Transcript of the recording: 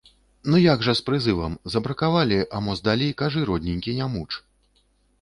Ну, як жа з прызывам, забракавалі, а мо здалі, кажы, родненькі, не муч.